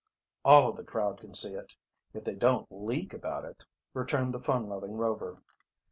"All of the crowd can see it, if they don't leak about it," returned the fun loving Rover.